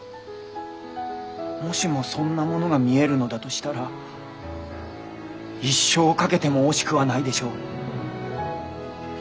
もしもそんなものが見えるのだとしたら一生を懸けても惜しくはないでしょう。